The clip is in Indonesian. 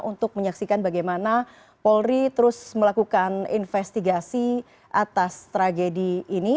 untuk menyaksikan bagaimana polri terus melakukan investigasi atas tragedi ini